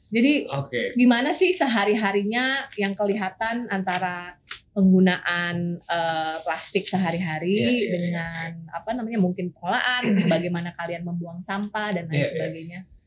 jadi gimana sih sehari harinya yang kelihatan antara penggunaan plastik sehari hari dengan mungkin pengolahan bagaimana kalian membuang sampah dan lain sebagainya